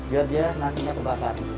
biar dia nasinya terbakar